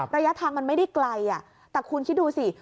ระยะทางมันไม่ได้ไกลแต่คุณคิดดูสิ